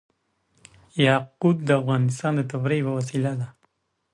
یاقوت د افغانانو د تفریح یوه وسیله ده.